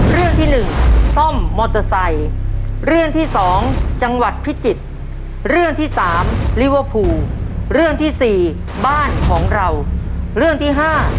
เรื่องที่๑ซ่อมมอเตอร์ไซค์เรื่องที่สองจังหวัดพิจิตรเรื่องที่สามลิเวอร์พูลเรื่องที่๔บ้านของเราเรื่องที่๕